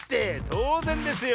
とうぜんですよ。